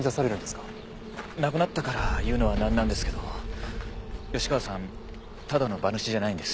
亡くなったから言うのはなんなんですけど吉川さんただの馬主じゃないんです。